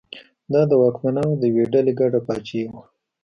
دا د واکمنانو د یوې ډلې ګډه پاچاهي وه.